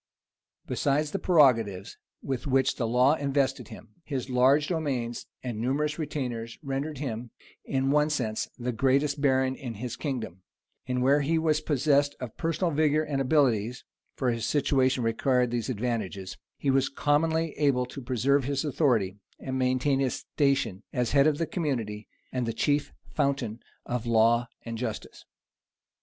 Besides the prerogatives with which the law invested him, his large demesnes and numerous retainers rendered him, in one sense, the greatest baron in his kingdom; and where he was possessed of personal vigor and abilities, (for his situation required these advantages,) he was commonly able to preserve his authority, and maintain his station as head of the community, and the chief fountain of law and justice.